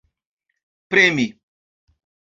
premi